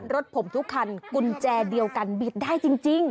รถผมทุกคันกุญแจเดียวกันบิดได้จริง